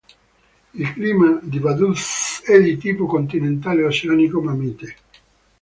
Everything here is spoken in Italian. Il clima di Vaduz è di tipo continentale oceanico, ma mite.